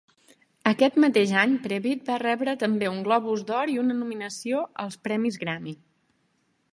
Aquest mateix any, Previte va rebre també un Globus d'Or i una nominació als Premis Grammy.